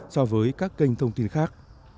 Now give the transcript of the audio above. so với các kênh thông tin khác